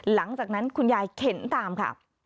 หลังจากนั้นคุณยายเข็นตามค่ะ